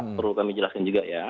perlu kami jelaskan juga ya